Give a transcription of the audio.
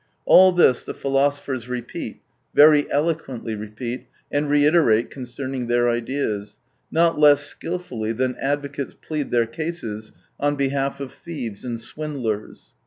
All this the philosophers repeat, very eloquently repeat and reiterate concerning their ideas, not less skilfully than advocates plead their cases on behalf of thieves and swindlers.